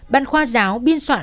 ban khoa giáo biên soạn lãng